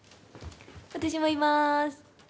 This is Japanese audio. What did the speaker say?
私もいます